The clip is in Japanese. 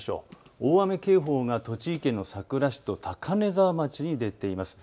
大雨警報が栃木県のさくら市と高根沢町に出ています。